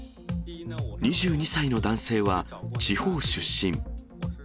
２２歳の男性は、地方出身。